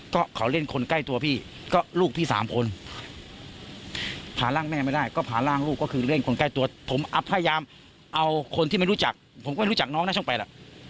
ก็เขาเล่นคนใกล้ตัวพี่ก็ลูกพี่สามคนพาร่างแม่ไม่ได้ก็พาร่างลูกก็คือเล่นคนใกล้ตัวผมพยายามเอาคนที่ไม่รู้จักผมก็ไม่รู้จักน้องนะช่อง๘แหละ